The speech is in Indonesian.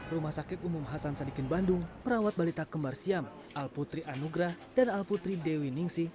rumah sakit umum hasan sadikin bandung merawat balita kembar siam alputri anugrah dan alputri dewi ningsi